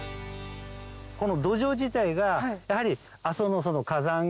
この土壌自体がやはり。